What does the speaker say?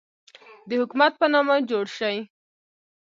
د حکومت په نامه جوړ شي.